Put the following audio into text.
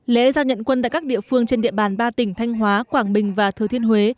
lễ giao nhận quân tại các địa phương trên địa bàn ba tỉnh thanh hóa quảng bình và thừa thiên huế